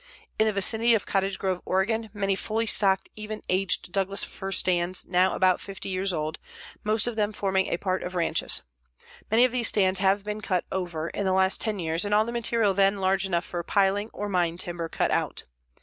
In the vicinity of Cottage Grove, Oregon, many fully stocked even aged Douglas fir stands now about 50 years old, most of them forming a part of ranches. Many of these stands have been cut over in the last 10 years and all the material then large enough for piling or mine timber cut out.